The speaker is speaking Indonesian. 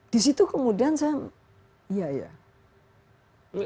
di situ kemudian saya iya ya